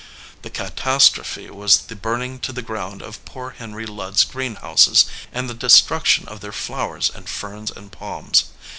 The catastrophe was the burning to the ground of poor Henry Ludd s greenhouses and the destruction of their flowers and ferns and palms.